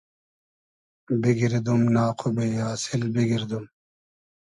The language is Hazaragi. بیگیردوم ناق و بې آسیل بیگیردوم